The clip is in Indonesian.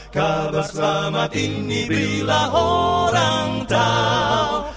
kabar selamat ini berilah orang tahu